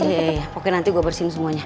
iya iya iya pokoknya nanti gue bersihin semuanya